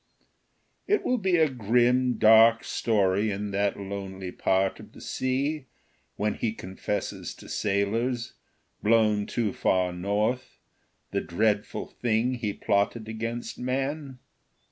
It will be a grim, dark story in that lonely part of the sea, when he confesses to sailors, blown too far north, the dreadful thing he plotted against man.